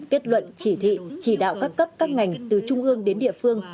kết luận chỉ thị chỉ đạo các cấp các ngành từ trung ương đến địa phương